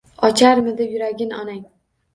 Ocharmidi yuragin onang?